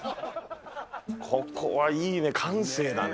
ここはいいね、閑静だね。